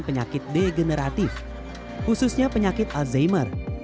penyakit degeneratif khususnya penyakit alzheimer